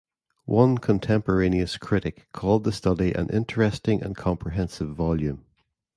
One contemporaneous critic called the study an "interesting and comprehensive volume".